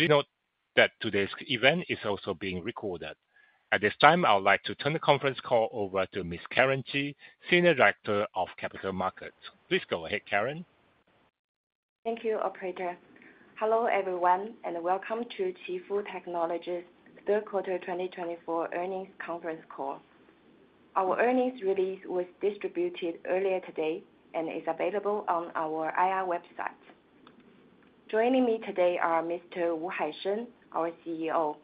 Please note that today's event is also being recorded. At this time, I would like to turn the conference call over to Ms. Karen Ji, Senior Director of Capital Markets. Please go ahead, Karen. Thank you, Operator. Hello everyone, and welcome to Qifu Technology's Third Quarter 2024 earnings conference call. Our earnings release was distributed earlier today and is available on our IR website. Joining me today are Mr. Wu Haisheng, our CEO;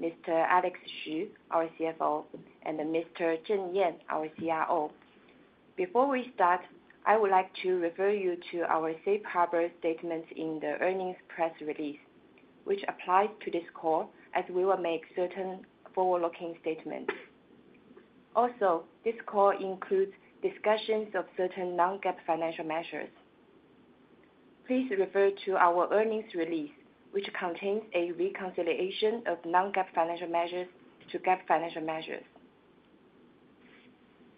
Mr. Alex Xu, our CFO; and Mr. Zheng Yan, our CRO. Before we start, I would like to refer you to our safe harbor statements in the earnings press release, which applies to this call as we will make certain forward-looking statements. Also, this call includes discussions of certain non-GAAP financial measures. Please refer to our earnings release, which contains a reconciliation of non-GAAP financial measures to GAAP financial measures.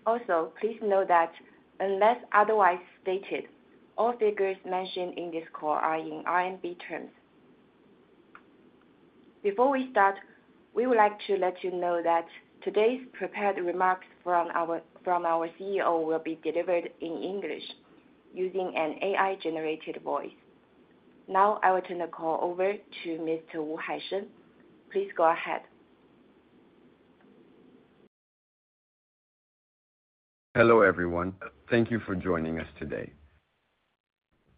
Also, please note that unless otherwise stated, all figures mentioned in this call are in RMB terms. Before we start, we would like to let you know that today's prepared remarks from our CEO will be delivered in English using an AI-generated voice. Now, I will turn the call over to Mr. Wu Haisheng. Please go ahead. Hello everyone, thank you for joining us today.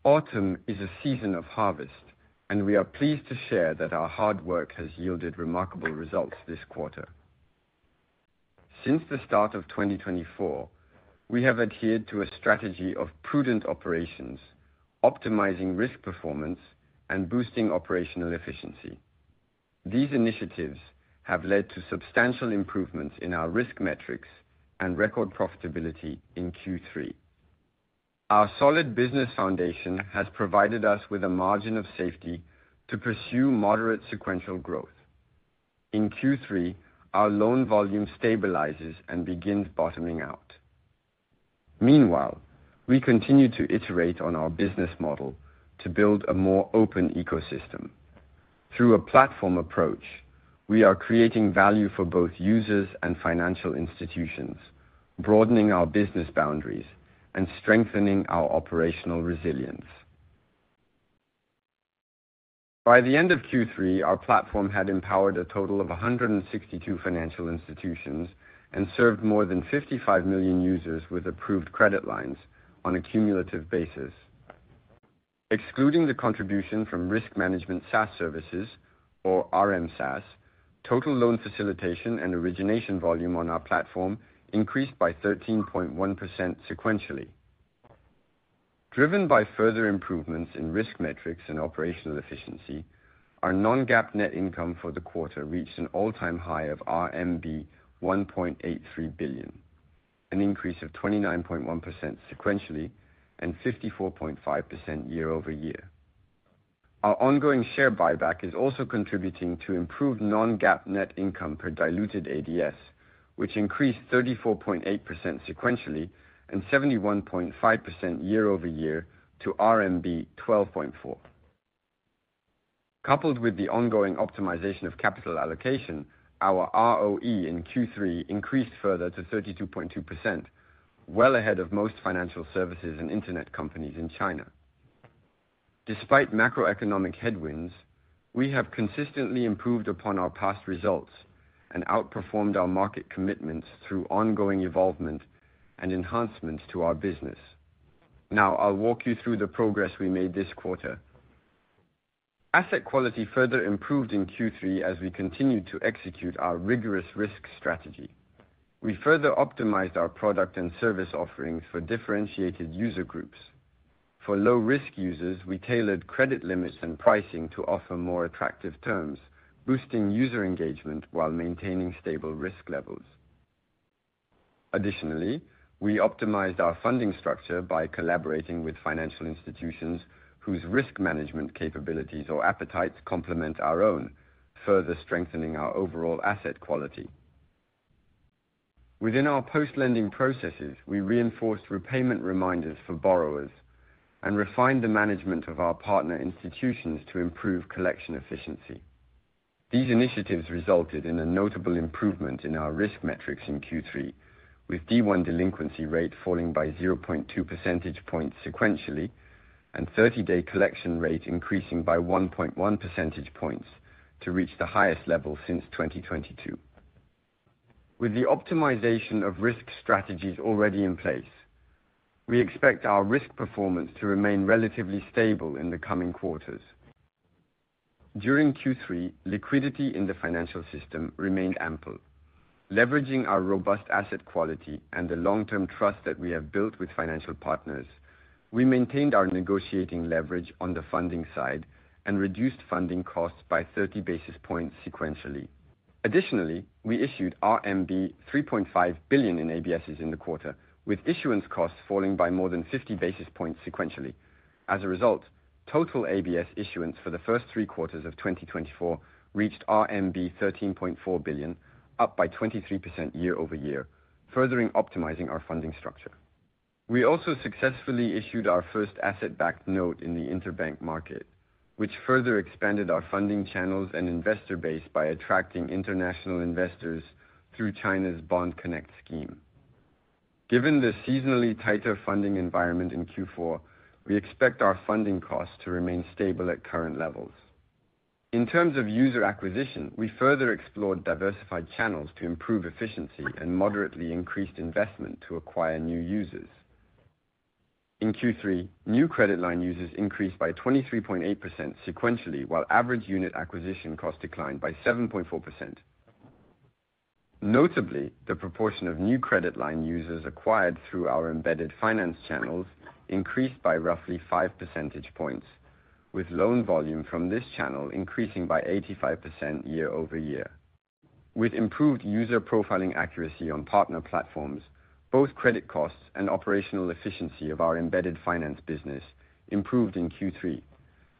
Autumn is a season of harvest, and we are pleased to share that our hard work has yielded remarkable results this quarter. Since the start of 2024, we have adhered to a strategy of prudent operations, optimizing risk performance, and boosting operational efficiency. These initiatives have led to substantial improvements in our risk metrics and record profitability in Q3. Our solid business foundation has provided us with a margin of safety to pursue moderate sequential growth. In Q3, our loan volume stabilizes and begins bottoming out. Meanwhile, we continue to iterate on our business model to build a more open ecosystem. Through a platform approach, we are creating value for both users and financial institutions, broadening our business boundaries and strengthening our operational resilience. By the end of Q3, our platform had empowered a total of 162 financial institutions and served more than 55 million users with approved credit lines on a cumulative basis. Excluding the contribution from Risk Management SaaS Services, or RM SaaS, total loan facilitation and origination volume on our platform increased by 13.1% sequentially. Driven by further improvements in risk metrics and operational efficiency, our non-GAAP net income for the quarter reached an all-time high of RMB 1.83 billion, an increase of 29.1% sequentially and 54.5% year-over-year. Our ongoing share buyback is also contributing to improved non-GAAP net income per diluted ADS, which increased 34.8% sequentially and 71.5% year-over-year to RMB 12.4. Coupled with the ongoing optimization of capital allocation, our ROE in Q3 increased further to 32.2%, well ahead of most financial services and internet companies in China. Despite macroeconomic headwinds, we have consistently improved upon our past results and outperformed our market commitments through ongoing evolvement and enhancements to our business. Now, I'll walk you through the progress we made this quarter. Asset quality further improved in Q3 as we continued to execute our rigorous risk strategy. We further optimized our product and service offerings for differentiated user groups. For low-risk users, we tailored credit limits and pricing to offer more attractive terms, boosting user engagement while maintaining stable risk levels. Additionally, we optimized our funding structure by collaborating with financial institutions whose risk management capabilities or appetites complement our own, further strengthening our overall asset quality. Within our post-lending processes, we reinforced repayment reminders for borrowers and refined the management of our partner institutions to improve collection efficiency. These initiatives resulted in a notable improvement in our risk metrics in Q3, with D1 delinquency rate falling by 0.2 percentage points sequentially and 30-day collection rate increasing by 1.1 percentage points to reach the highest level since 2022. With the optimization of risk strategies already in place, we expect our risk performance to remain relatively stable in the coming quarters. During Q3, liquidity in the financial system remained ample. Leveraging our robust asset quality and the long-term trust that we have built with financial partners, we maintained our negotiating leverage on the funding side and reduced funding costs by 30 basis points sequentially. Additionally, we issued RMB 3.5 billion in ABSs in the quarter, with issuance costs falling by more than 50 basis points sequentially. As a result, total ABS issuance for the first three quarters of 2024 reached RMB 13.4 billion, up by 23% year-over-year, further optimizing our funding structure. We also successfully issued our first asset-backed note in the interbank market, which further expanded our funding channels and investor base by attracting international investors through China's Bond Connect scheme. Given the seasonally tighter funding environment in Q4, we expect our funding costs to remain stable at current levels. In terms of user acquisition, we further explored diversified channels to improve efficiency and moderately increased investment to acquire new users. In Q3, new credit line users increased by 23.8% sequentially, while average unit acquisition cost declined by 7.4%. Notably, the proportion of new credit line users acquired through our embedded finance channels increased by roughly 5 percentage points, with loan volume from this channel increasing by 85% year-over-year. With improved user profiling accuracy on partner platforms, both credit costs and operational efficiency of our embedded finance business improved in Q3,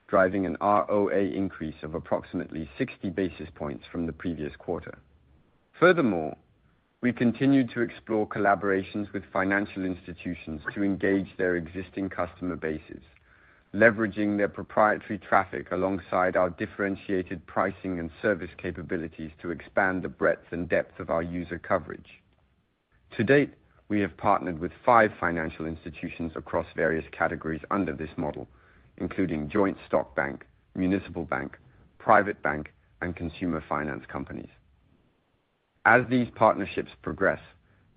driving an ROA increase of approximately 60 basis points from the previous quarter. Furthermore, we continue to explore collaborations with financial institutions to engage their existing customer bases, leveraging their proprietary traffic alongside our differentiated pricing and service capabilities to expand the breadth and depth of our user coverage. To date, we have partnered with five financial institutions across various categories under this model, including joint stock bank, municipal bank, private bank, and consumer finance companies. As these partnerships progress,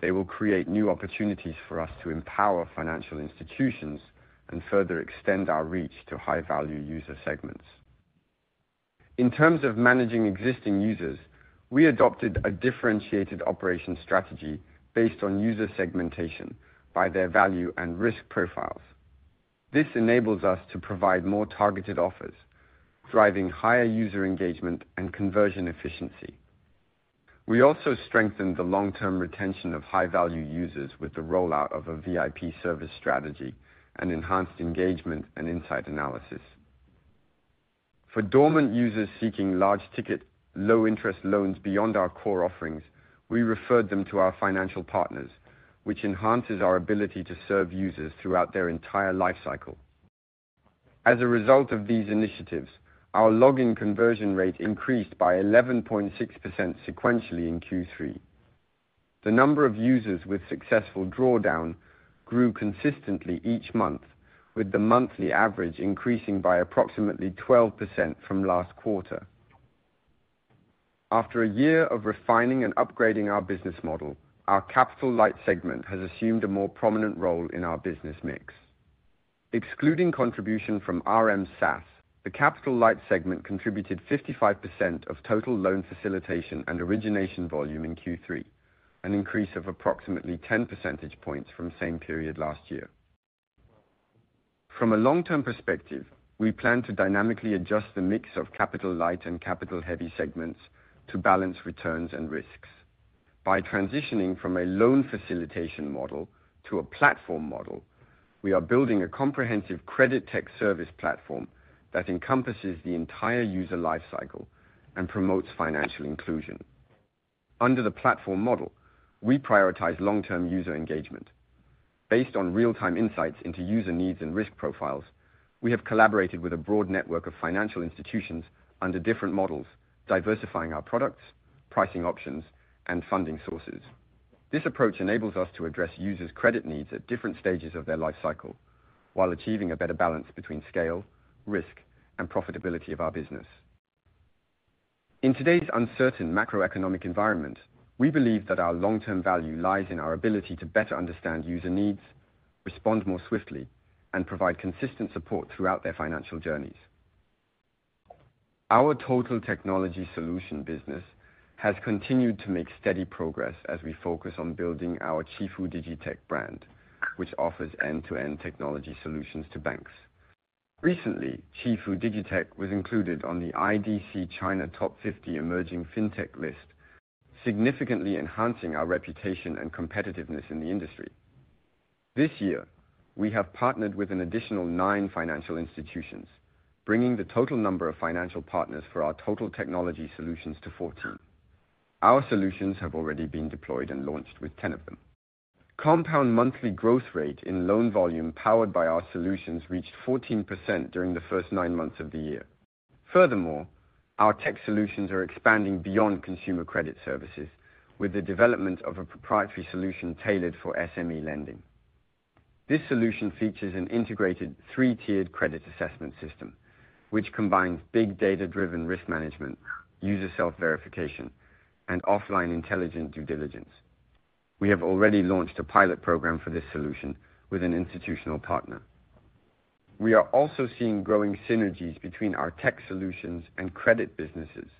they will create new opportunities for us to empower financial institutions and further extend our reach to high-value user segments. In terms of managing existing users, we adopted a differentiated operation strategy based on user segmentation by their value and risk profiles. This enables us to provide more targeted offers, driving higher user engagement and conversion efficiency. We also strengthened the long-term retention of high-value users with the rollout of a VIP service strategy and enhanced engagement and insight analysis. For dormant users seeking large-ticket, low-interest loans beyond our core offerings, we referred them to our financial partners, which enhances our ability to serve users throughout their entire lifecycle. As a result of these initiatives, our login conversion rate increased by 11.6% sequentially in Q3. The number of users with successful drawdown grew consistently each month, with the monthly average increasing by approximately 12% from last quarter. After a year of refining and upgrading our business model, our capital light segment has assumed a more prominent role in our business mix. Excluding contribution from RM SaaS, the capital light segment contributed 55% of total loan facilitation and origination volume in Q3, an increase of approximately 10 percentage points from the same period last year. From a long-term perspective, we plan to dynamically adjust the mix of capital light and capital heavy segments to balance returns and risks. By transitioning from a loan facilitation model to a platform model, we are building a comprehensive credit tech service platform that encompasses the entire user lifecycle and promotes financial inclusion. Under the platform model, we prioritize long-term user engagement. Based on real-time insights into user needs and risk profiles, we have collaborated with a broad network of financial institutions under different models, diversifying our products, pricing options, and funding sources. This approach enables us to address users' credit needs at different stages of their lifecycle, while achieving a better balance between scale, risk, and profitability of our business. In today's uncertain macroeconomic environment, we believe that our long-term value lies in our ability to better understand user needs, respond more swiftly, and provide consistent support throughout their financial journeys. Our total technology solution business has continued to make steady progress as we focus on building our Qifu DigiTech brand, which offers end-to-end technology solutions to banks. Recently, Qifu DigiTech was included on the IDC China Top 50 Emerging Fintech list, significantly enhancing our reputation and competitiveness in the industry. This year, we have partnered with an additional nine financial institutions, bringing the total number of financial partners for our total technology solutions to 14. Our solutions have already been deployed and launched with 10 of them. Compound monthly growth rate in loan volume powered by our solutions reached 14% during the first nine months of the year. Furthermore, our tech solutions are expanding beyond consumer credit services with the development of a proprietary solution tailored for SME lending. This solution features an integrated three-tiered credit assessment system, which combines big data-driven risk management, user self-verification, and offline intelligent due diligence. We have already launched a pilot program for this solution with an institutional partner. We are also seeing growing synergies between our tech solutions and credit businesses.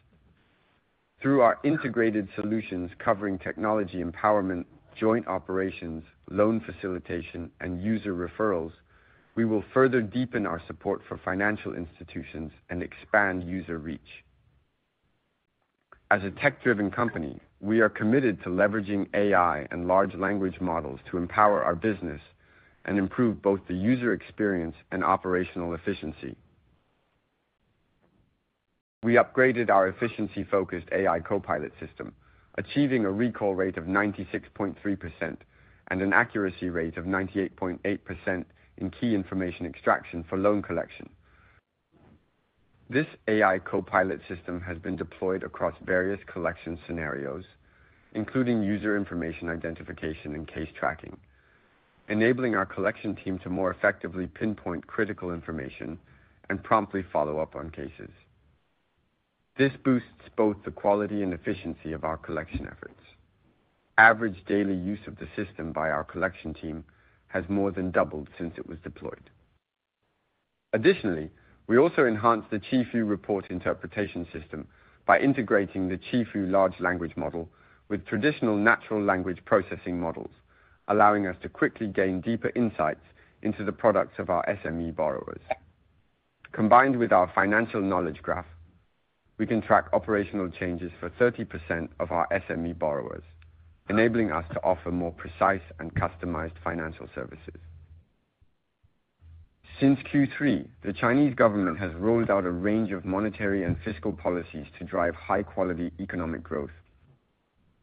Through our integrated solutions covering technology empowerment, joint operations, loan facilitation, and user referrals, we will further deepen our support for financial institutions and expand user reach. As a tech-driven company, we are committed to leveraging AI and large language models to empower our business and improve both the user experience and operational efficiency. We upgraded our efficiency-focused AI copilot system, achieving a recall rate of 96.3% and an accuracy rate of 98.8% in key information extraction for loan collection. This AI copilot system has been deployed across various collection scenarios, including user information identification and case tracking, enabling our collection team to more effectively pinpoint critical information and promptly follow up on cases. This boosts both the quality and efficiency of our collection efforts. Average daily use of the system by our collection team has more than doubled since it was deployed. Additionally, we also enhanced the Qifu report interpretation system by integrating the Qifu large language model with traditional natural language processing models, allowing us to quickly gain deeper insights into the products of our SME borrowers. Combined with our financial knowledge graph, we can track operational changes for 30% of our SME borrowers, enabling us to offer more precise and customized financial services. Since Q3, the Chinese government has rolled out a range of monetary and fiscal policies to drive high-quality economic growth.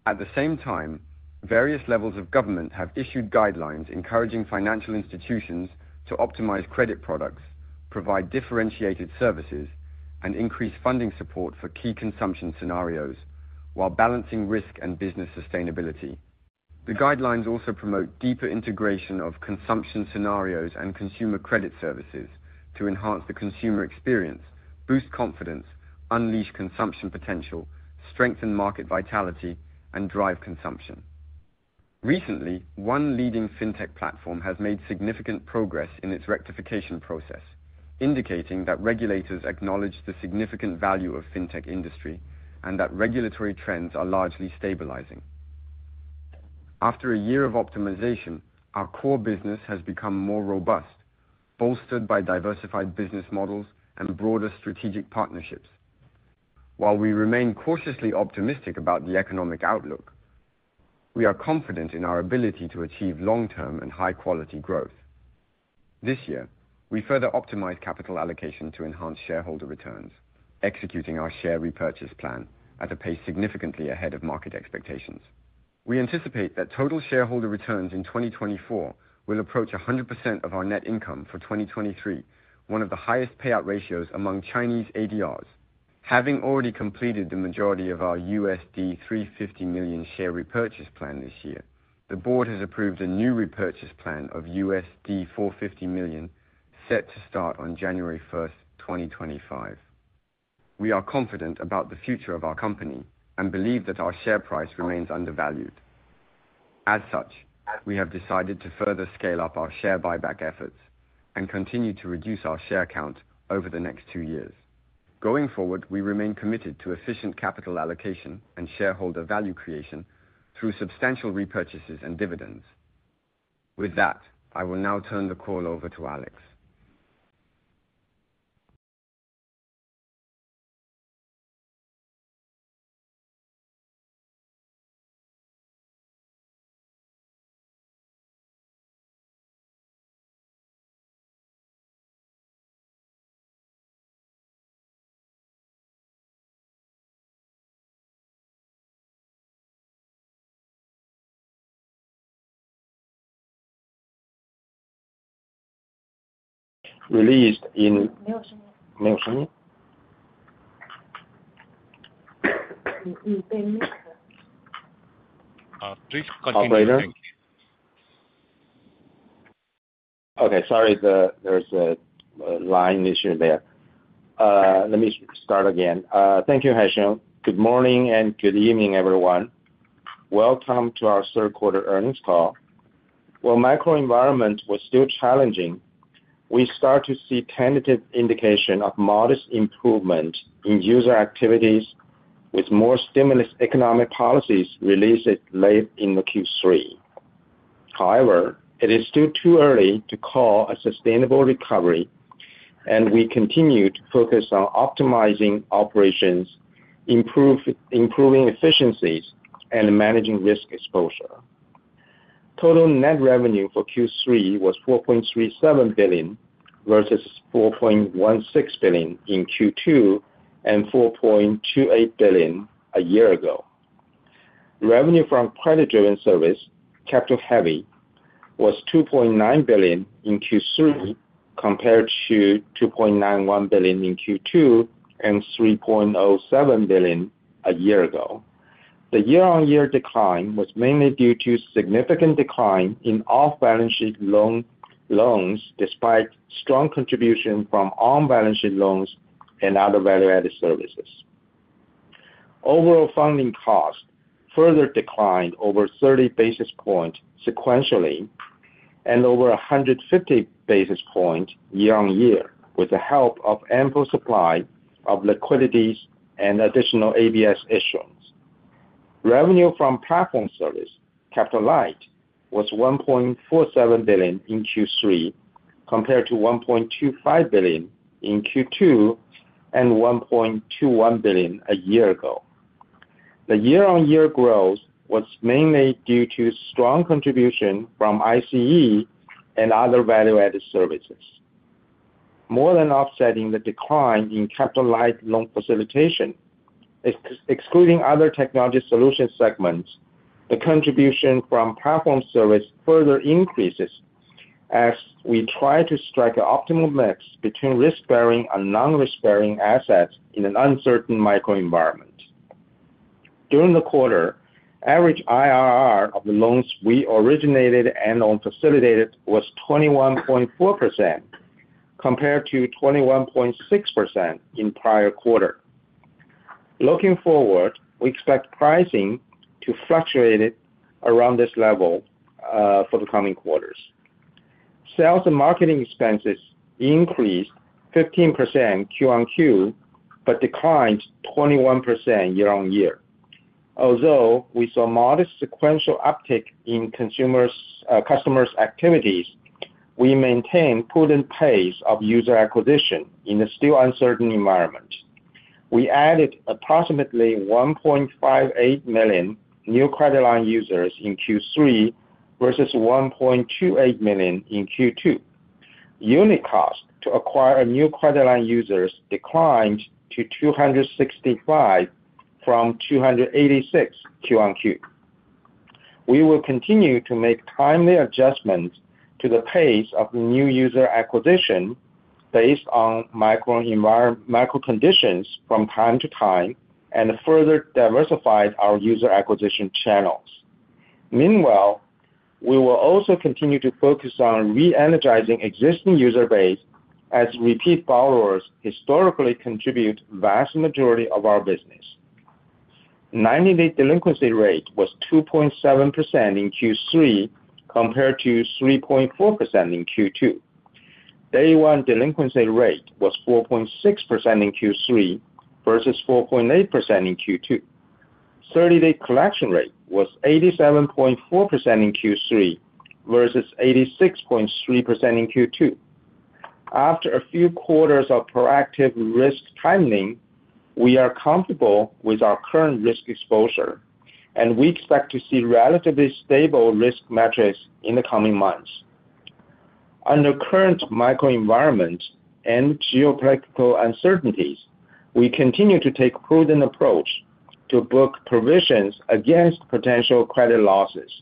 At the same time, various levels of government have issued guidelines encouraging financial institutions to optimize credit products, provide differentiated services, and increase funding support for key consumption scenarios, while balancing risk and business sustainability. The guidelines also promote deeper integration of consumption scenarios and consumer credit services to enhance the consumer experience, boost confidence, unleash consumption potential, strengthen market vitality, and drive consumption. Recently, one leading fintech platform has made significant progress in its rectification process, indicating that regulators acknowledge the significant value of fintech industry and that regulatory trends are largely stabilizing. After a year of optimization, our core business has become more robust, bolstered by diversified business models and broader strategic partnerships. While we remain cautiously optimistic about the economic outlook, we are confident in our ability to achieve long-term and high-quality growth. This year, we further optimized capital allocation to enhance shareholder returns, executing our share repurchase plan at a pace significantly ahead of market expectations. We anticipate that total shareholder returns in 2024 will approach 100% of our net income for 2023, one of the highest payout ratios among Chinese ADRs. Having already completed the majority of our $350 million share repurchase plan this year, the board has approved a new repurchase plan of $450 million set to start on January 1st, 2025. We are confident about the future of our company and believe that our share price remains undervalued. As such, we have decided to further scale up our share buyback efforts and continue to reduce our share count over the next two years. Going forward, we remain committed to efficient capital allocation and shareholder value creation through substantial repurchases and dividends. With that, I will now turn the call over to Alex. Thank you, Haisheng. Good morning and good evening, everyone. Welcome to our third quarter earnings call. While macro environment was still challenging, we start to see tentative indication of modest improvement in user activities with more stimulus economic policies released late in Q3. However, it is still too early to call a sustainable recovery, and we continue to focus on optimizing operations, improving efficiencies, and managing risk exposure. Total net revenue for Q3 was 4.37 billion versus 4.16 billion in Q2 and 4.28 billion a year ago. Revenue from credit-driven service, capital heavy, was 2.9 billion in Q3 compared to 2.91 billion in Q2 and 3.07 billion a year ago. The year-on-year decline was mainly due to significant decline in off-balance sheet loans despite strong contribution from on-balance sheet loans and other value-added services. Overall funding cost further declined over 30 basis points sequentially and over 150 basis points year-on-year with the help of ample supply of liquidities and additional ABS issuance. Revenue from platform service, capital light, was 1.47 billion in Q3 compared to 1.25 billion in Q2 and 1.21 billion a year ago. The year-on-year growth was mainly due to strong contribution from ICE and other value-added services. More than offsetting the decline in capital light loan facilitation, excluding other technology solution segments, the contribution from platform service further increases as we try to strike an optimal mix between risk-bearing and non-risk-bearing assets in an uncertain macro environment. During the quarter, average IRR of the loans we originated and/or facilitated was 21.4% compared to 21.6% in prior quarter. Looking forward, we expect pricing to fluctuate around this level for the coming quarters. Sales and marketing expenses increased 15% QoQ but declined 21% year-on-year. Although we saw modest sequential uptick in customers' activities, we maintained prudent pace of user acquisition in a still uncertain environment. We added approximately 1.58 million new credit line users in Q3 versus 1.28 million in Q2. Unit cost to acquire new credit line users declined to 265 from 286 QoQ. We will continue to make timely adjustments to the pace of new user acquisition based on macro conditions from time to time and further diversify our user acquisition channels. Meanwhile, we will also continue to focus on re-energizing existing user base as repeat borrowers historically contribute the vast majority of our business. 90-day delinquency rate was 2.7% in Q3 compared to 3.4% in Q2. Day-one delinquency rate was 4.6% in Q3 versus 4.8% in Q2. 30-day collection rate was 87.4% in Q3 versus 86.3% in Q2. After a few quarters of proactive risk timing, we are comfortable with our current risk exposure, and we expect to see relatively stable risk metrics in the coming months. Under current macro environment and geopolitical uncertainties, we continue to take a prudent approach to book provisions against potential credit losses.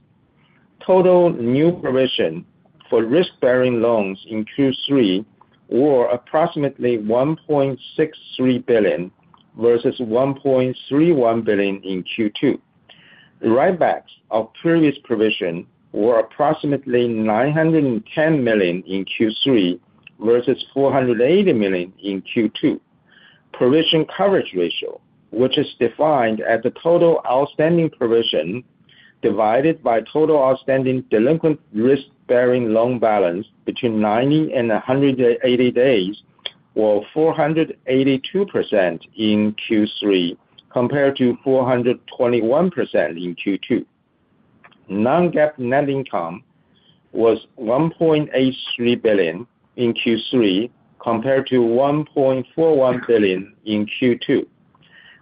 Total new provision for risk-bearing loans in Q3 was approximately 1.63 billion versus 1.31 billion in Q2. Write-back of previous provision was approximately 910 million in Q3 versus 480 million in Q2. Provision coverage ratio, which is defined as the total outstanding provision divided by total outstanding delinquent risk-bearing loan balance between 90 and 180 days, was 482% in Q3 compared to 421% in Q2. Non-GAAP net income was 1.83 billion in Q3 compared to 1.41 billion in Q2.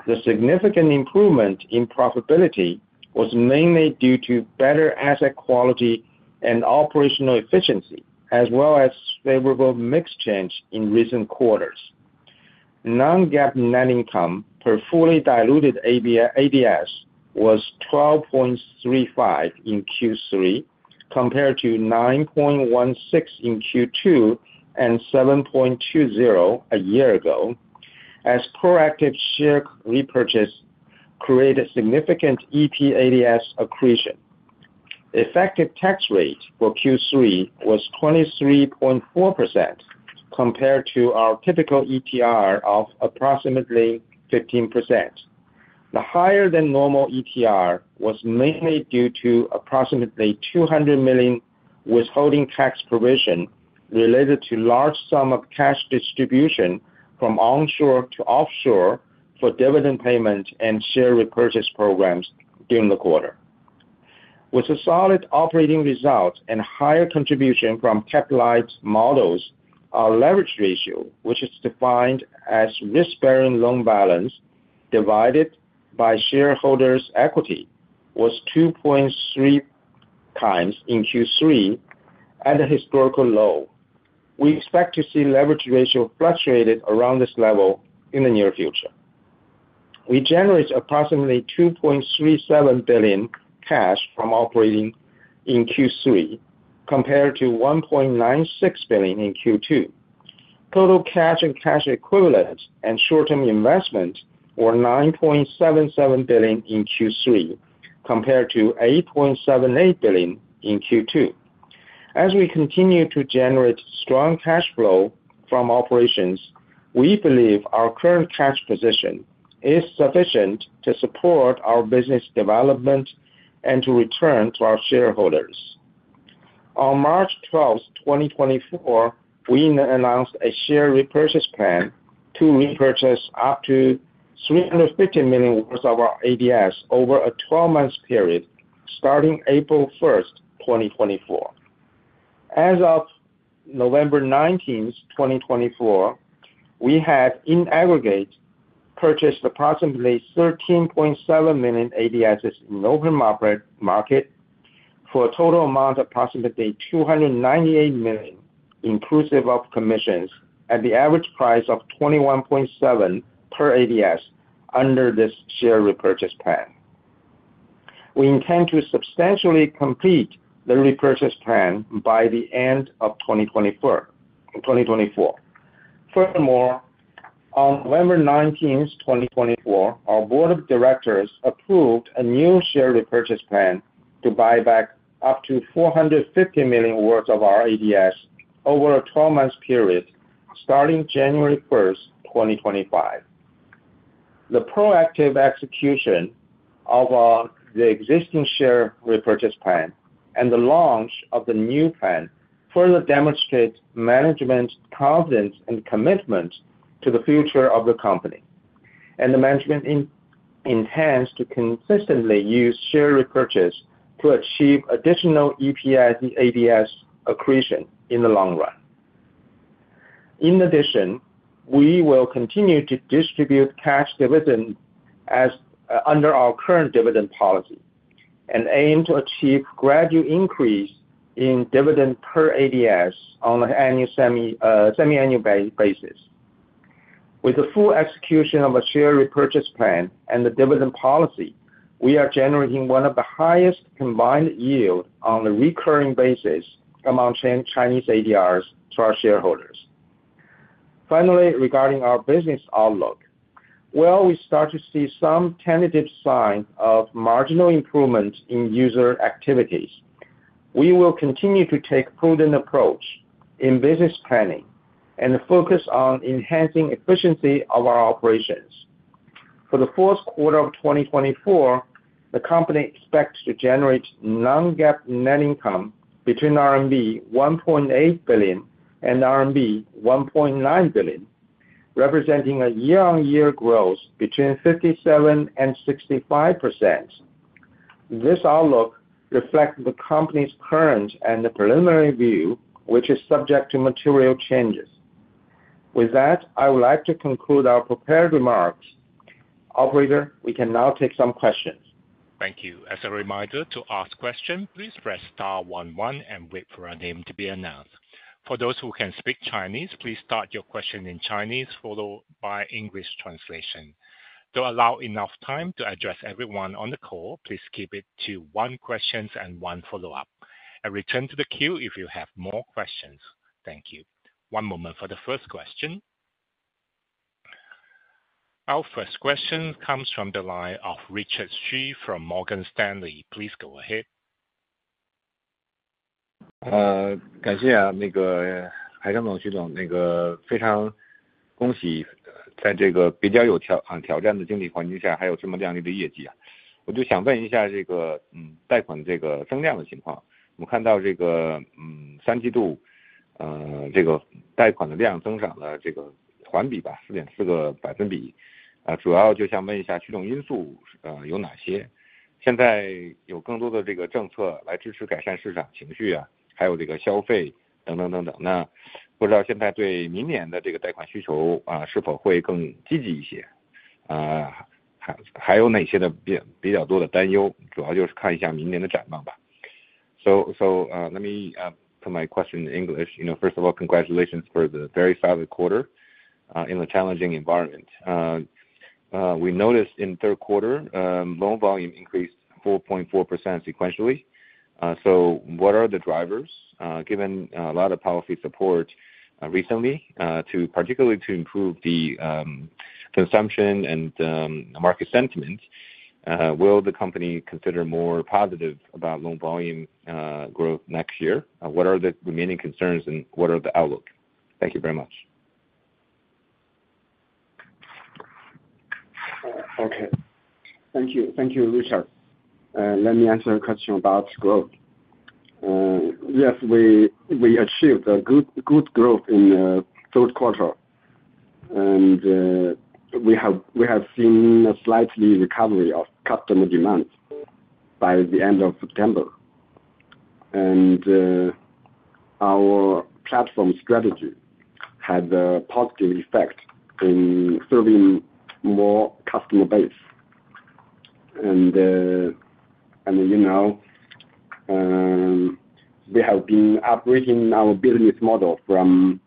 The significant improvement in profitability was mainly due to better asset quality and operational efficiency, as well as favorable mix change in recent quarters. Non-GAAP net income per fully diluted ADS was 12.35 in Q3 compared to 9.16 in Q2 and 7.20 a year ago, as proactive share repurchase created significant EPADS accretion. Effective tax rate for Q3 was 23.4% compared to our typical ETR of approximately 15%. The higher-than-normal ETR was mainly due to approximately 200 million withholding tax provision related to large sum of cash distribution from onshore to offshore for dividend payment and share repurchase programs during the quarter. With a solid operating result and higher contribution from capital light models, our leverage ratio, which is defined as risk-bearing loan balance divided by shareholders' equity, was 2.3 times in Q3 at a historical low. We expect to see leverage ratio fluctuated around this level in the near future. We generated approximately 2.37 billion cash from operating in Q3 compared to 1.96 billion in Q2. Total cash and cash equivalents and short-term investment were 9.77 billion in Q3 compared to 8.78 billion in Q2. As we continue to generate strong cash flow from operations, we believe our current cash position is sufficient to support our business development and to return to our shareholders. On March 12th, 2024, we announced a share repurchase plan to repurchase up to $350 million worth of our ADS over a 12-month period starting April 1st, 2024. As of November 19th, 2024, we had in aggregate purchased approximately 13.7 million ADSs in open market for a total amount of approximately $298 million, inclusive of commissions, at the average price of $21.7 per ADS under this share repurchase plan. We intend to substantially complete the repurchase plan by the end of 2024. Furthermore, on November 19th, 2024, our board of directors approved a new share repurchase plan to buy back up to $450 million worth of our ADS over a 12-month period starting January 1st, 2025. The proactive execution of the existing share repurchase plan and the launch of the new plan further demonstrates management's confidence and commitment to the future of the company, and the management intends to consistently use share repurchase to achieve additional EP ADS accretion in the long run. In addition, we will continue to distribute cash dividend under our current dividend policy and aim to achieve gradual increase in dividend per ADS on an annual semi-annual basis. With the full execution of a share repurchase plan and the dividend policy, we are generating one of the highest combined yields on a recurring basis among Chinese ADRs to our shareholders. Finally, regarding our business outlook, while we start to see some tentative signs of marginal improvement in user activities, we will continue to take a prudent approach in business planning and focus on enhancing efficiency of our operations. For the fourth quarter of 2024, the company expects to generate non-GAAP net income between RMB 1.8 billion and RMB 1.9 billion, representing a year-on-year growth between 57% and 65%. This outlook reflects the company's current and the preliminary view, which is subject to material changes. With that, I would like to conclude our prepared remarks. Operator, we can now take some questions. Thank you. As a reminder, to ask questions, please press star 11 and wait for a name to be announced. For those who can speak Chinese, please start your question in Chinese followed by English translation. We may not have enough time to address everyone on the call. Please keep it to one question and one follow-up. Please return to the queue if you have more questions. Thank you. One moment for the first question. Our first question comes from the line of Richard Xu from Morgan Stanley. Please go ahead. So, let me put my question in English. You know, first of all, congratulations for the very fast quarter in the challenging environment. We noticed in third quarter loan volume increased 4.4% sequentially. So what are the drivers given a lot of policy support recently to particularly improve the consumption and market sentiment? Will the company consider more positive about loan volume growth next year? What are the remaining concerns and what are the outlook? Thank you very much. Okay, thank you, Richard, and let me answer a question about growth. Yes, we achieved a good growth in the third quarter, and we have seen a slight recovery of customer demand by the end of September, and our platform strategy had a positive effect in serving more customer base, and, you know, we have been upgrading our business model from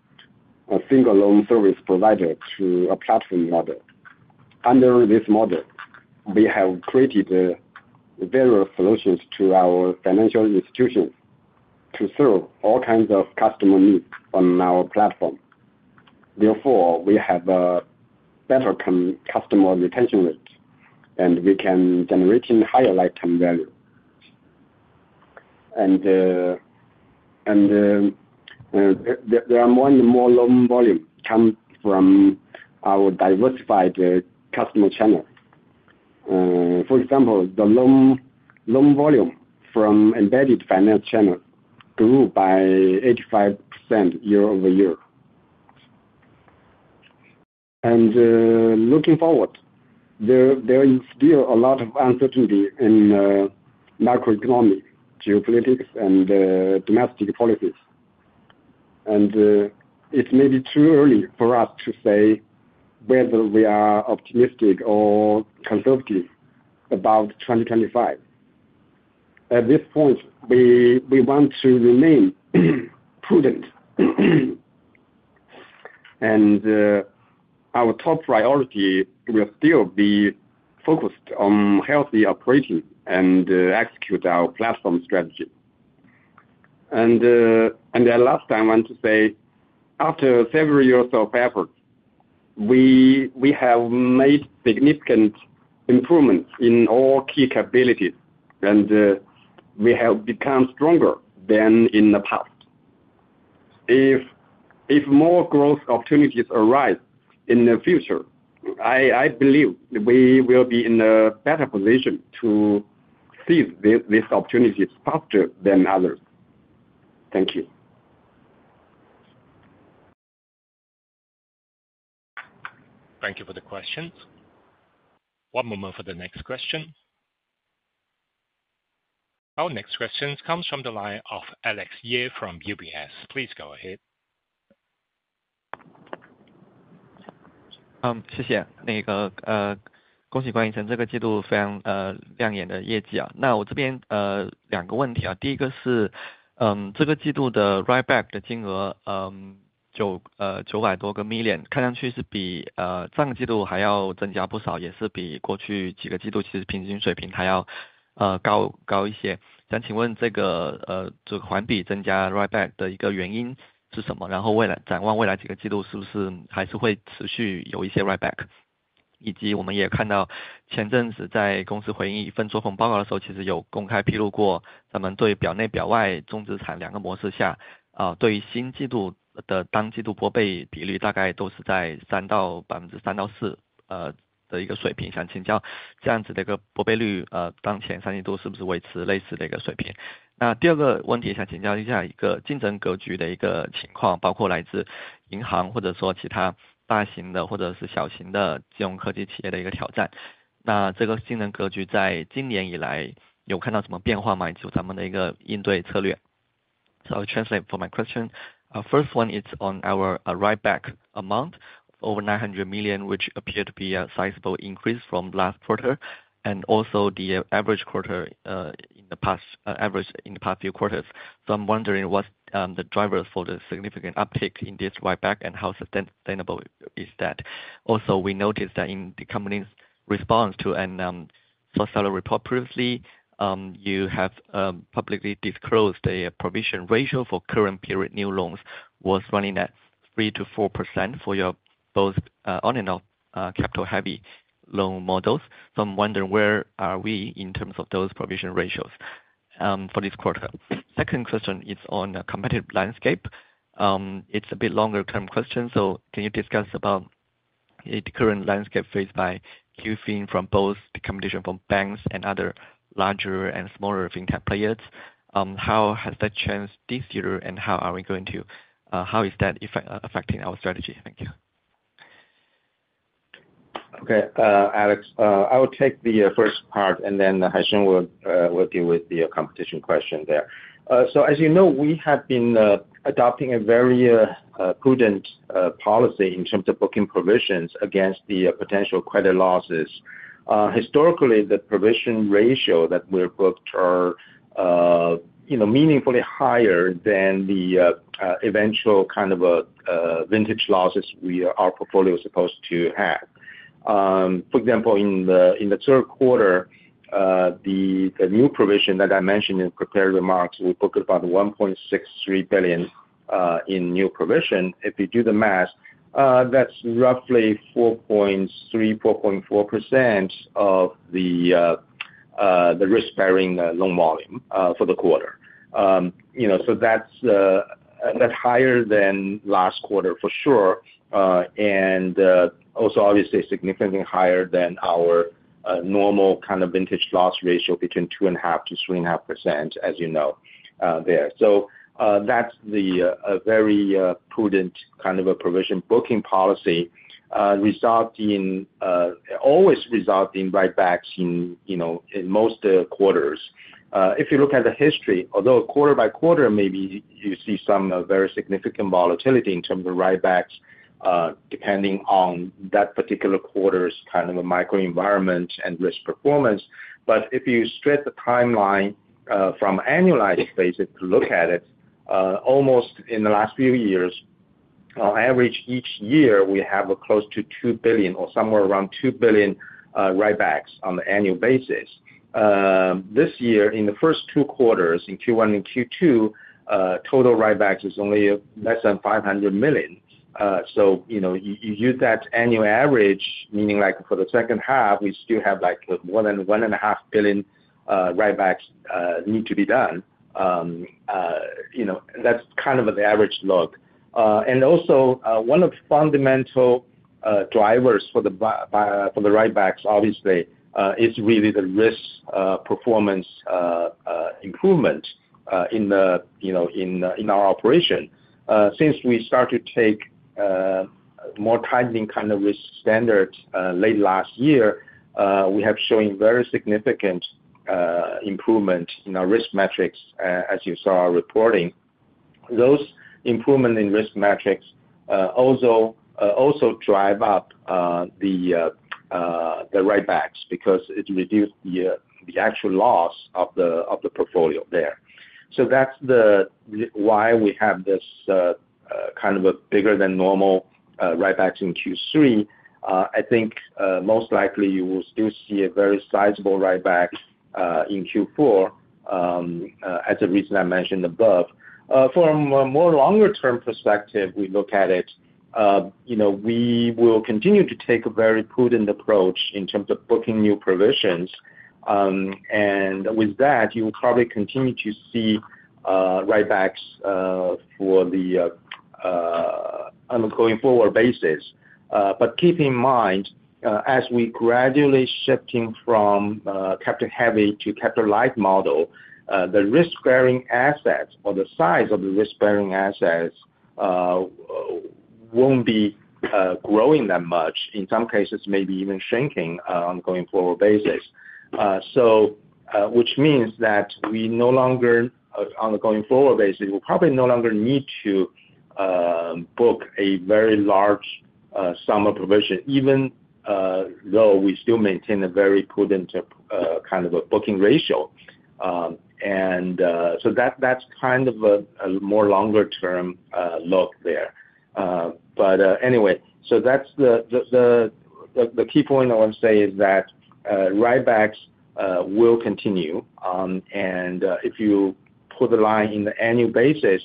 a single loan service provider to a platform model. Under this model, we have created various solutions to our financial institutions to serve all kinds of customer needs on our platform. Therefore, we have a better customer retention rate, and we can generate higher lifetime value. And there are more and more loan volume come from our diversified customer channel. For example, the loan volume from embedded finance channel grew by 85% year over year. Looking forward, there is still a lot of uncertainty in macroeconomy, geopolitics, and domestic policies. It's maybe too early for us to say whether we are optimistic or conservative about 2025. At this point, we want to remain prudent and our top priority will still be focused on healthy operating and execute our platform strategy. Last I want to say after several years of effort, we have made significant improvements in all key capabilities and we have become stronger than in the past. If more growth opportunities arise in the future, I believe we will be in a better position to seize this opportunity faster than others. Thank you. Thank you for the questions. One moment for the next question. Our next question comes from the line of Alex Ye from UBS. Please go ahead. 谢谢恭喜Qifu这个季度非常亮眼的业绩啊。那我这边两个问题啊，第一个是这个季度的write-back的金额900多个million，看上去是比上个季度还要增加不少，也是比过去几个季度其实平均水平还要高一些。想请问这个环比增加write-back的一个原因是什么，然后未来展望未来几个季度是不是还是会持续有一些write-back，以及我们也看到前阵子在公司回应一份作风报告的时候，其实有公开披露过咱们对表内表外重资产两个模式下啊，对于新季度的当季度拨备比率大概都是在3%-4%的一个水平。想请教这样子的一个拨备率当前三季度是不是维持类似的一个水平。那第二个问题想请教一下一个竞争格局的一个情况，包括来自银行或者说其他大型的或者是小型的金融科技企业的一个挑战。那这个竞争格局在今年以来有看到什么变化吗，以及咱们的一个应对策略。So I'll translate for my question. First one is on our write-back amount over RMB 900 million which appear to be a sizable increase from last quarter and also the average in the past few quarters. So I'm wondering what's the drivers for the significant uptake in this write-back and how sustainable is that. Also we noticed that in the company's response to a first seller report previously you have publicly disclosed a provision ratio for current period new loans was running at 3%-4% for your both on and off capital heavy loan models. So I'm wondering where are we in terms of those provision ratios for this quarter. Second question is on the competitive landscape. It's a bit longer term question. So can you discuss about the current landscape faced by QFIN from both the competition from banks and other larger and smaller fintech players? How has that changed this year and how are we going to how is that affecting our strategy? Thank you. Okay, Alex, I will take the first part and then Haisheng will walk you through the competition question there. So as you know, we have been adopting a very prudent policy in terms of booking provisions against the potential credit losses. Historically, the provision ratio that we're booked are you know meaningfully higher than the eventual kind of a vintage losses our portfolio is supposed to have. For example, in the third quarter, the new provision that I mentioned in prepared remarks we booked about 1.63 billion in new provision. If you do the math, that's roughly 4.3%-4.4% of the risk-bearing loan volume for the quarter. You know, so that's higher than last quarter for sure and also obviously significantly higher than our normal kind of vintage loss ratio between 2.5%-3.5% as you know there. So that's a very prudent kind of a provision booking policy resulting always in write-backs, you know, in most of the quarters. If you look at the history, although quarter by quarter maybe you see some very significant volatility in terms of write-backs depending on that particular quarter's kind of a micro environment and risk performance. But if you stretch the timeline from annualized basis to look at it almost in the last few years average each year we have close to 2 billion or somewhere around 2 billion write-backs on the annual basis. This year in the first two quarters in Q1 and Q2 total write-backs is only less than 500 million, so you know you use that annual average meaning like for the second half we still have like more than 1.5 billion write-backs need to be done. You know that's kind of the average look. And also one of the fundamental drivers for the write-backs obviously is really the risk performance improvement in the you know in our operation. Since we start to take more tightening kind of risk standards late last year we have shown very significant improvement in our risk metrics as you saw our reporting. Those improvement in risk metrics also drive up the write-backs because it reduced the actual loss of the portfolio there. So, that's why we have this kind of a bigger-than-normal write-backs in Q3. I think most likely you will still see a very sizable write-back in Q4 as the reason I mentioned above. From a longer-term perspective we look at it you know we will continue to take a very prudent approach in terms of booking new provisions, and with that you will probably continue to see write-backs on a going-forward basis. Keep in mind as we gradually shifting from capital heavy to capital light model the risk-bearing assets or the size of the risk-bearing assets won't be growing that much. In some cases maybe even shrinking on a going-forward basis. So which means that we no longer, on a going forward basis, we'll probably no longer need to book a very large substantial provision even though we still maintain a very prudent kind of a booking ratio. And so that's kind of a more long-term look there. But anyway, that's the key point I want to say is that write-backs will continue. And if you put the line in the annual basis,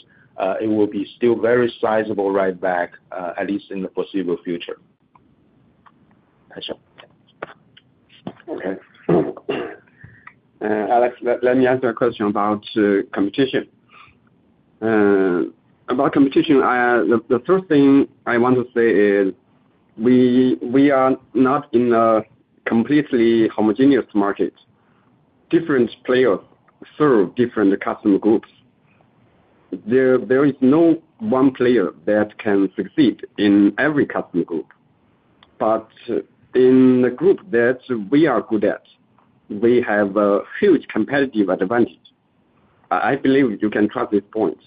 it will be still very sizable write-back at least in the foreseeable future. Okay, Alex, let me answer a question about competition. About competition, the first thing I want to say is we are not in a completely homogeneous market. Different players serve different customer groups. There is no one player that can succeed in every customer group. But in the group that we are good at we have a huge competitive advantage. I believe you can trust this point.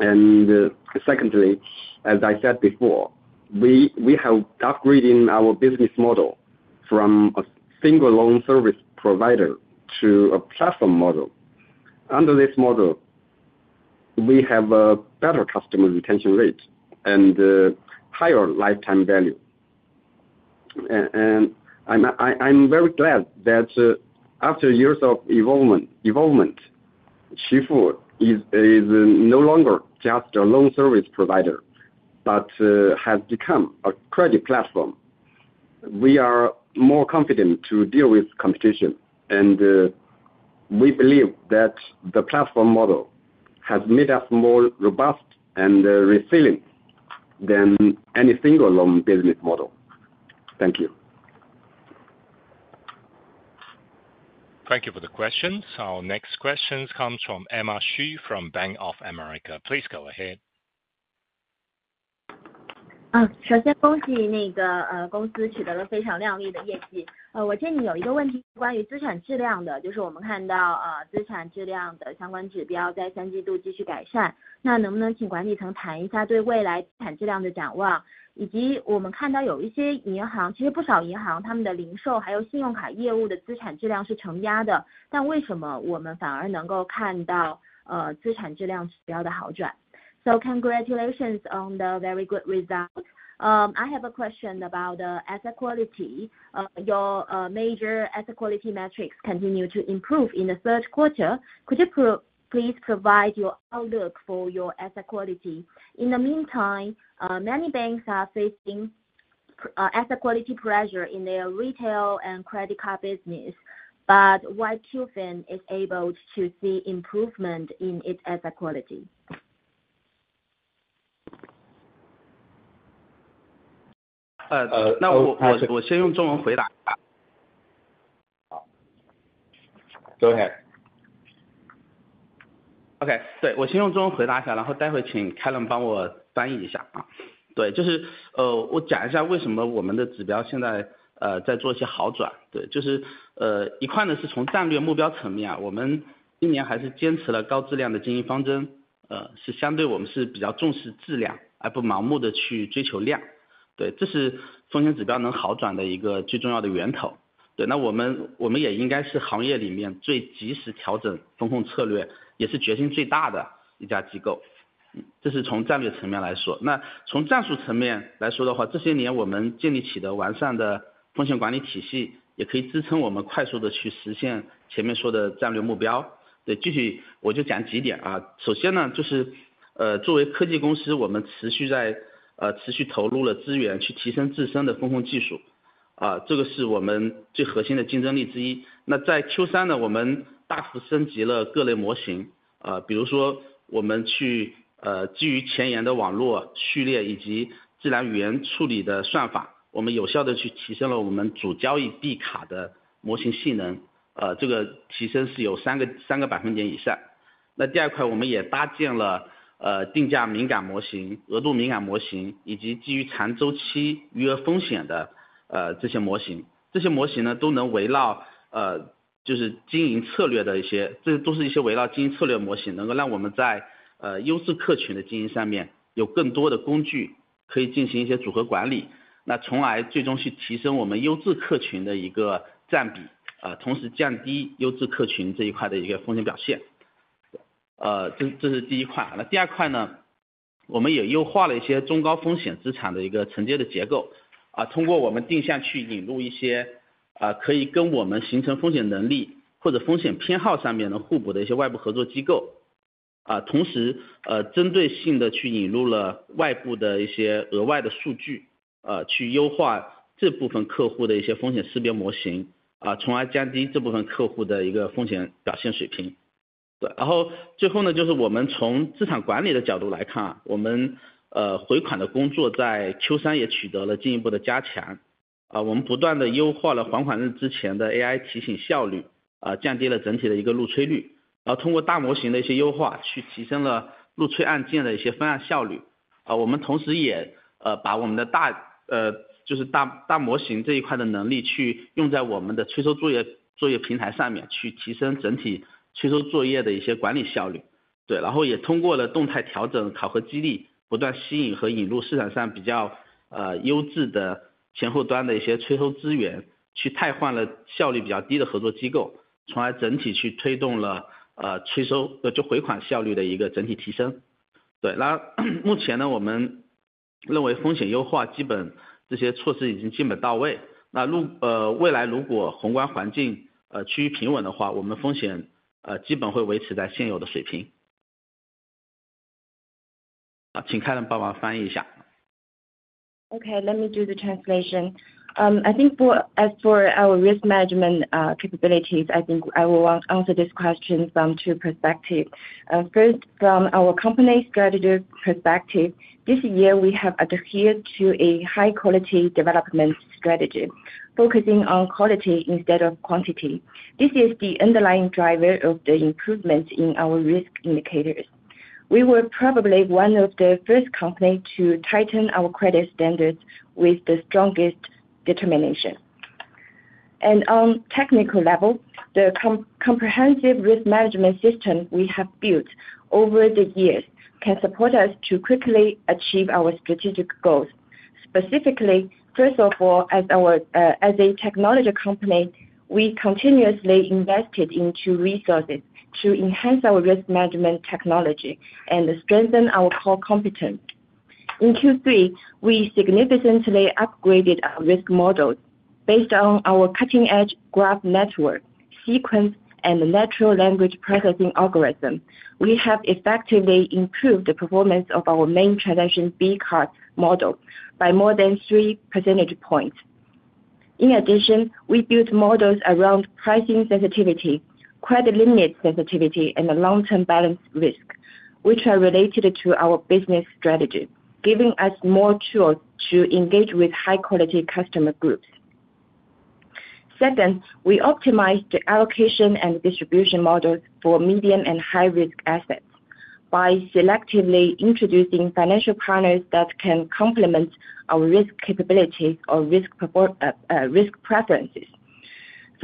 And secondly as I said before we have upgrading our business model from a single loan service provider to a platform model. Under this model we have a better customer retention rate and higher lifetime value. And I'm very glad that after years of evolvement Qifu is no longer just a loan service provider but has become a credit platform. We are more confident to deal with competition and we believe that the platform model has made us more robust and resilient than any single loan business model. Thank you. Thank you for the questions. Our next questions comes from Emma Xu from Bank of America. Please go ahead. So congratulations on the very good result. I have a question about the asset quality. Your major asset quality metrics continue to improve in the third quarter. Could you please provide your outlook for your asset quality? In the meantime, many banks are facing asset quality pressure in their retail and credit card business, but why QFIN is able to see improvement in its asset quality? 那我先用中文回答一下。Go ahead. Okay let me do the translation. As for our risk management capabilities I think I will answer this question from two perspectives. First from our company strategy perspective this year we have adhered to a high quality development strategy focusing on quality instead of quantity. This is the underlying driver of the improvement in our risk indicators. We were probably one of the first companies to tighten our credit standards with the strongest determination. On technical level, the comprehensive risk management system we have built over the years can support us to quickly achieve our strategic goals. Specifically, first of all, as a technology company, we continuously invested into resources to enhance our risk management technology and strengthen our core competence. In Q3, we significantly upgraded our risk models based on our cutting-edge graph network sequence and natural language processing algorithm. We have effectively improved the performance of our main B-card model by more than three percentage points. In addition, we built models around pricing sensitivity, credit limit sensitivity, and a long-term balance risk, which are related to our business strategy, giving us more tools to engage with high-quality customer groups. Second, we optimized the allocation and distribution models for medium- and high-risk assets by selectively introducing financial partners that can complement our risk capabilities or risk performance risk preferences.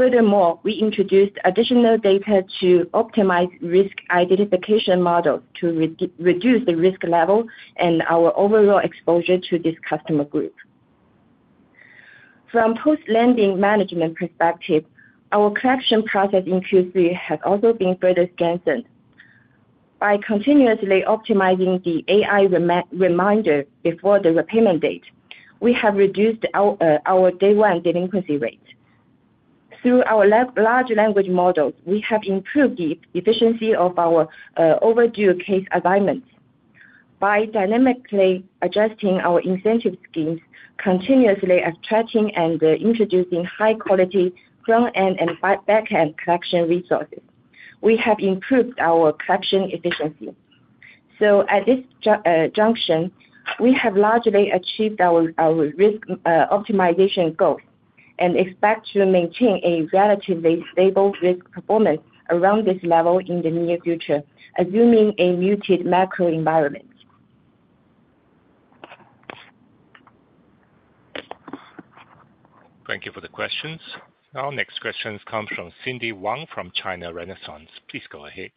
Furthermore, we introduced additional data to optimize risk identification models to reduce the risk level and our overall exposure to this customer group. From post-lending management perspective, our collection process in Q3 has also been further strengthened by continuously optimizing the AI reminder before the repayment date. We have reduced our day-one delinquency rate. Through our large language models, we have improved the efficiency of our overdue case assignments by dynamically adjusting our incentive schemes, continuously attracting and introducing high-quality front-end and back-end collection resources. We have improved our collection efficiency. So at this junction we have largely achieved our risk optimization goals and expect to maintain a relatively stable risk performance around this level in the near future assuming a muted macro environment. Thank you for the questions. Our next questions come from Cindy Wang from China Renaissance. Please go ahead.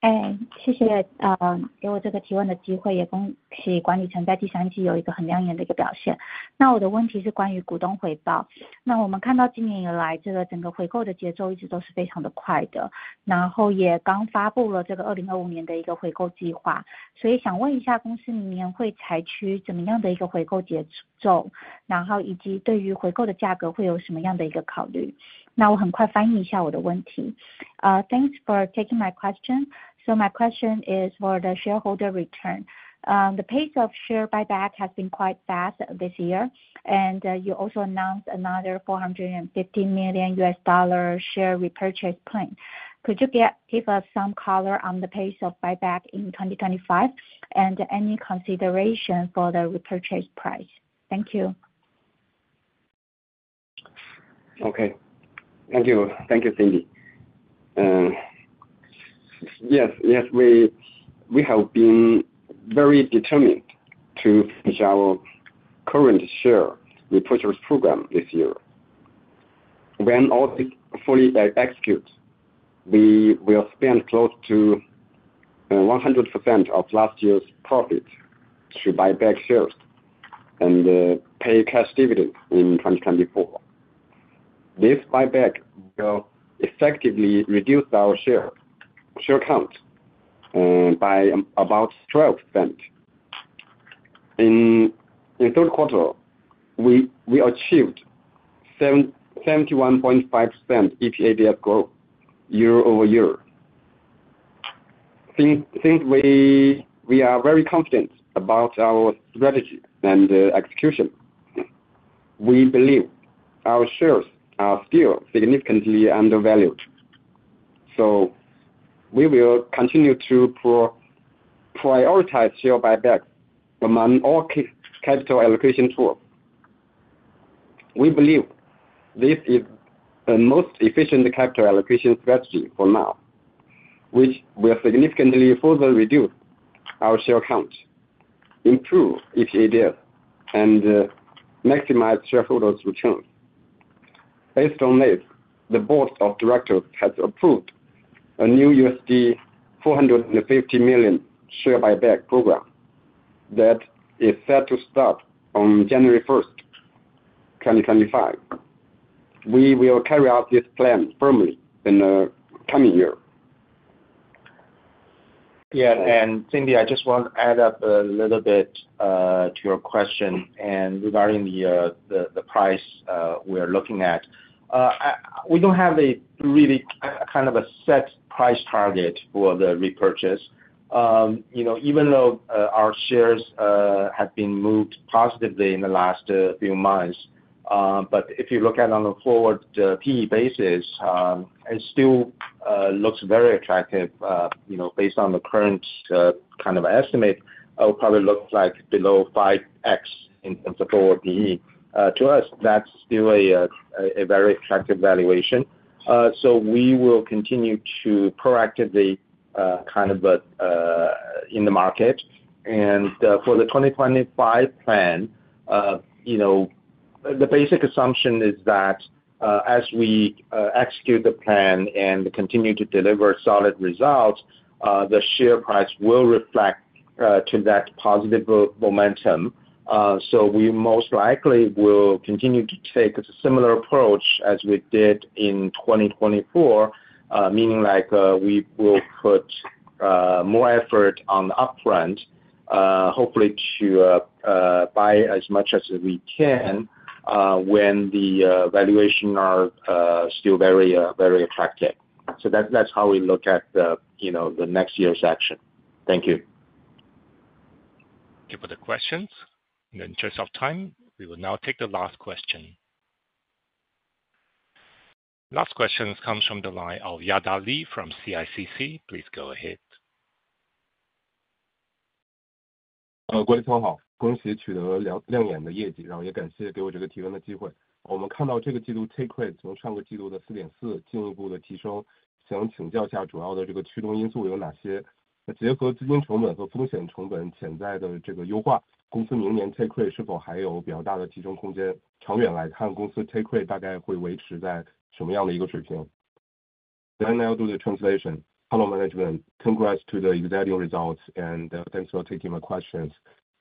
哎谢谢给我这个提问的机会，也恭喜管理层在第三季有一个很亮眼的一个表现。那我的问题是关于股东回报，那我们看到今年以来这个整个回购的节奏一直都是非常的快的，然后也刚发布了这个2025年的一个回购计划。所以想问一下公司明年会采取怎么样的一个回购节奏，然后以及对于回购的价格会有什么样的一个考虑。那我很快翻译一下我的问题. Thanks for taking my question. So my question is for the shareholder return. The pace of share buyback has been quite fast this year and you also announced another $450 million share repurchase plan. Could you give us some color on the pace of buyback in 2025 and any consideration for the repurchase price? Thank you. Okay thank you thank you Cindy. Yes we have been very determined to finish our current share repurchase program this year. When all fully executed, we will spend close to 100% of last year's profit to buy back shares and pay cash dividends in 2024. This buyback will effectively reduce our share count by about 12%. In third quarter we achieved 71.5% EPADS growth year over year. Since we are very confident about our strategy and execution, we believe our shares are still significantly undervalued, so we will continue to prioritize share buybacks among all capital allocation tools. We believe this is the most efficient capital allocation strategy for now, which will significantly further reduce our share count, improve EPADS, and maximize shareholders' returns. Based on this, the board of directors has approved a new $450 million share buyback program that is set to start on January 1st, 2025. We will carry out this plan firmly in the coming year. Yeah, and Cindy, I just want to add up a little bit to your question and regarding the price we are looking at, we don't have a really kind of a set price target for the repurchase. You know, even though our shares have been moved positively in the last few months, but if you look at on a forward PE basis, it still looks very attractive. You know, based on the current kind of estimate, it will probably look like below 5x in terms of forward PE. To us, that's still a very attractive valuation. So we will continue to proactively kind of in the market, and for the 2025 plan, you know, the basic assumption is that as we execute the plan and continue to deliver solid results, the share price will reflect to that positive momentum. So we most likely will continue to take a similar approach as we did in 2024, meaning like we will put more effort on the upfront, hopefully to buy as much as we can when the valuations are still very very attractive. So that's how we look at the, you know, the next year's action. Thank you. Thank you for the questions and then in terms of time we will now take the last question. Last question comes from the line of Yada Li from CICC, please go ahead. 各位同好。恭喜取得亮眼的业绩，然后也感谢给我这个提问的机会。我们看到这个季度take rate从上个季度的4.4进一步的提升，想请教一下主要的这个驱动因素有哪些？那结合资金成本和风险成本潜在的这个优化，公司明年take rate是否还有比较大的提升空间？长远来看，公司take rate大概会维持在什么样的一个水平？ Then I'll do the translation. Hello management, congrats to the exciting results and thanks for taking my questions.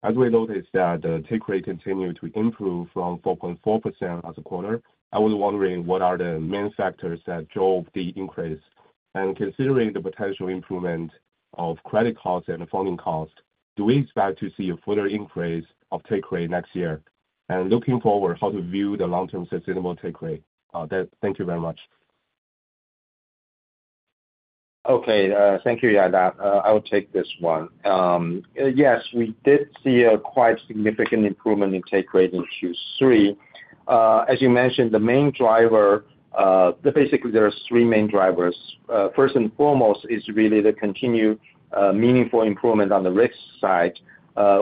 As we noticed that the take rate continued to improve from 4.4% last quarter, I was wondering what are the main factors that drove the increase? And considering the potential improvement of credit costs and the funding cost, do we expect to see a further increase of take rate next year? And looking forward, how to view the long-term sustainable take rate? That, thank you very much. Okay, thank you, Yada. I will take this one. Yes, we did see a quite significant improvement in take rate in Q3. As you mentioned, the main driver basically there are three main drivers. First and foremost is really the continued meaningful improvement on the risk side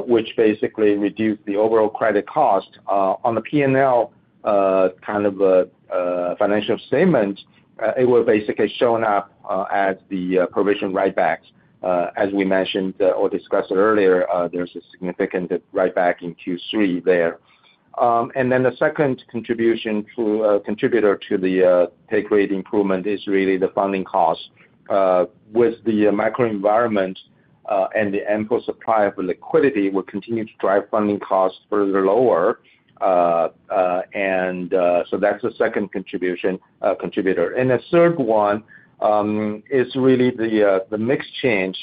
which basically reduced the overall credit cost. On the P&L kind of financial statement it was basically shown up as the provision write-back. As we mentioned or discussed earlier there's a significant write-back in Q3 there. And then the second contributor to the take rate improvement is really the funding cost. with the microenvironment and the ample supply of liquidity will continue to drive funding costs further lower. And so that's the second contributor. And the third one is really the mix change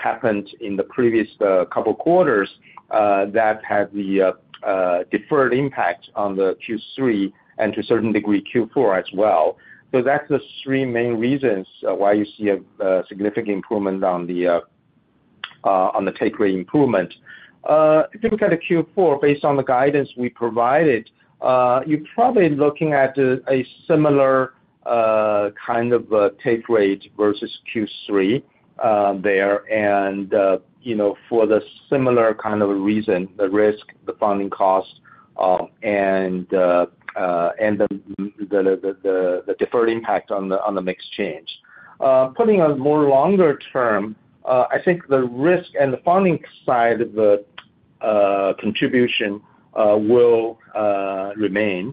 happened in the previous couple quarters that had the deferred impact on the Q3 and to a certain degree Q4 as well. So that's the three main reasons why you see a significant improvement on the take rate improvement. If you look at the Q4 based on the guidance we provided you're probably looking at a similar kind of take rate versus Q3 there and you know for the similar kind of a reason the risk, the funding cost and the deferred impact on the mix change. Putting a more longer term, I think the risk and the funding side of the contribution will remain,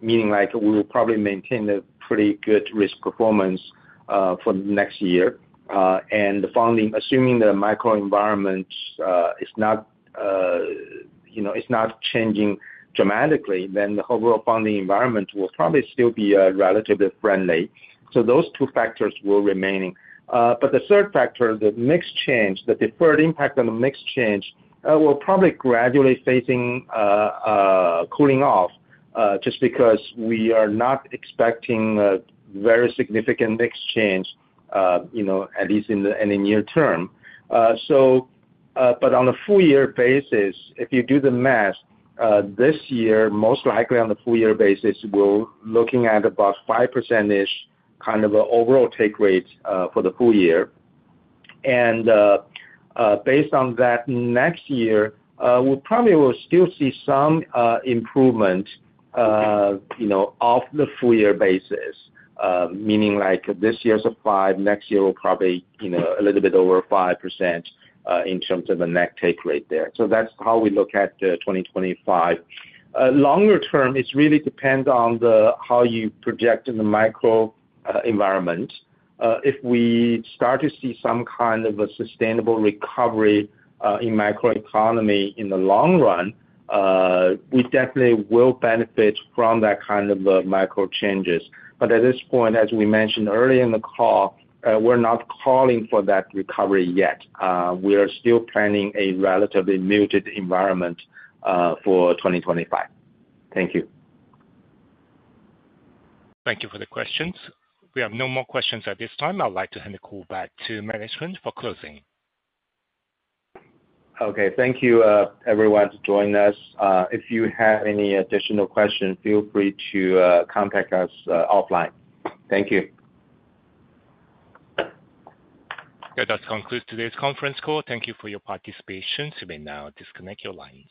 meaning like we will probably maintain a pretty good risk performance for the next year and the funding, assuming the macro environment is not, you know, changing dramatically. Then the overall funding environment will probably still be a relatively friendly. So those two factors will remain. But the third factor, the mix change, the deferred impact on the mix change will probably gradually facing cooling off just because we are not expecting a very significant mix change, you know, at least in the near term. So but on a full year basis, if you do the math, this year most likely on the full year basis we're looking at about 5%-ish kind of a overall take rate for the full year and based on that next year we probably will still see some improvement you know off the full year basis meaning like this year's a five next year will probably you know a little bit over 5% in terms of the net take rate there. So that's how we look at the 2025. Longer term it really depends on the how you project in the macro environment. If we start to see some kind of a sustainable recovery in macroeconomy in the long run we definitely will benefit from that kind of macro changes. But at this point as we mentioned earlier in the call we're not calling for that recovery yet. We are still planning a relatively muted environment for 2025. Thank you. Thank you for the questions. We have no more questions at this time. I'd like to hand the call back to management for closing. Okay, thank you everyone for joining us. If you have any additional questions, feel free to contact us offline. Thank you. Okay, that concludes today's conference call. Thank you for your participation. You may now disconnect your lines.